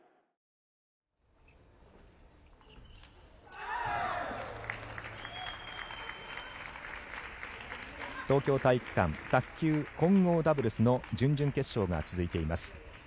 ２東京体育館卓球混合ダブルスの準々決勝が続いています。